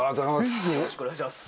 よろしくお願いします